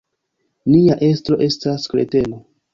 Nia estro estas kreteno.